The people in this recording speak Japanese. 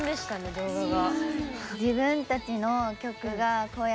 動画が。